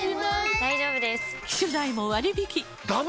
大丈夫です！